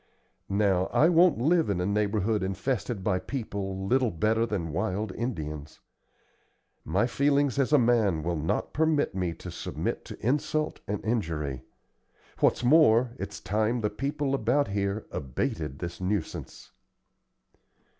Now, I won't live in a neighborhood infested by people little better than wild Indians. My feelings as a man will not permit me to submit to insult and injury. What's more, it's time the people about here abated this nuisance."